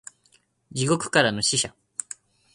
地獄からの使者